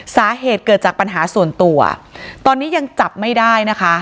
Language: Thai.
สาเหตุเกิดจากปัญหาส่วนตัวตอนนี้ยังจับไม่ได้นะคะ